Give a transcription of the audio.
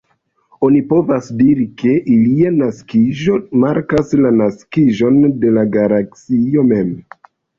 Oni povas diri, ke ilia naskiĝo markas la naskiĝon de la Galaksio mem.